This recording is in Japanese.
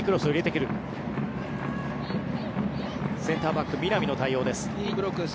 センターバック、南の対応です。